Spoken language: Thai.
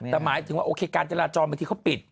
แต่หมายถึงว่าโอเคการจราจรบางทีเขาปิด